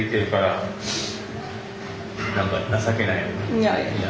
いやいや。